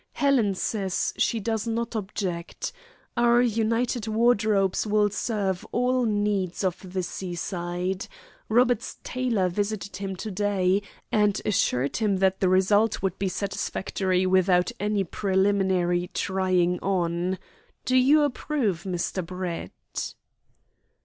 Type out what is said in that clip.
Helen says she does not object Our united wardrobes will serve all needs of the seaside. Robert's tailor visited him to day, and assured him that the result would be satisfactory without any preliminary 'trying on.' Do you approve, Mr. Brett?"